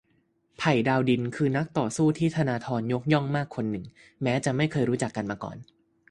ไผ่ดาวดิน คือนักต่อสู้ที่ธนาธรยกย่องมากคนหนึ่ง แม้จะไม่เคยรู้จักกันมาก่อน